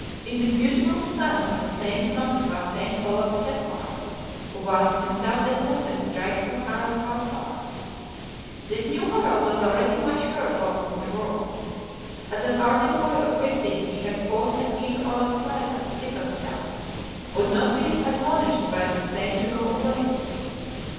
Indisputable son of the Saint's mother by St. Olaf's stepfather, who was, himself descended straight from Harald Haarfagr. This new Harald was already much heard of in the world. As an ardent Boy of fifteen he had fought at King Olaf's side at Stickelstad; would not be admonished by the Saint to go away.